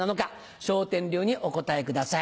笑点流にお答えください。